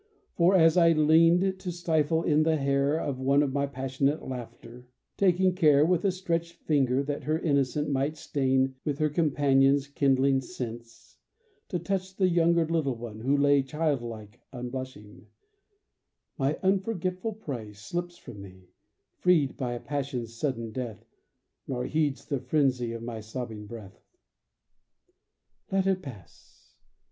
For as I leaned to stifle in the hair Of one my passionate laughter (taking care With a stretched finger, that her innocence Might stain with her companion's kindling sense To touch the younger little one, who lay Child like unblushing) my ungrateful prey Slips from me, freed by passion's sudden death, Nor heeds the frenzy of my sobbing breath._ Let it pass!